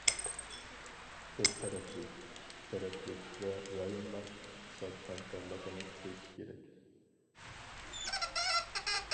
كۆپ تەرەپلىك، ئىككى تەرەپلىك ۋە رايونلار ئىقتىساد ھەمكارلىقىنى كۈچەيتىش كېرەك.